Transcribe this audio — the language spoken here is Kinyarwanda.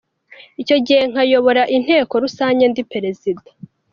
Icyo gihe nkayobora inteko rusange ndi perezida.